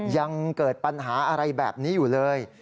ยังเกิดปัญหาอะไรแบบนี้อยู่เลย